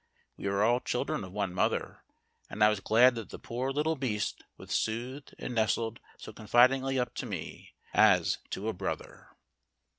We are all children of one mother, and I was glad that the poor little beast was soothed and nestled so confidingly up to me, as to a brother.